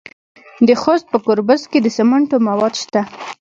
د خوست په ګربز کې د سمنټو مواد شته.